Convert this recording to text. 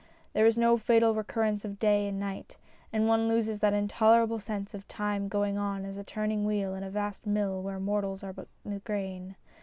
There is no fatal recurrence of day and night, and one loses that intolerable sense of time going on as a turning wheel in a vast mill where mortals are but the grain.